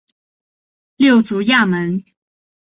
六足亚门。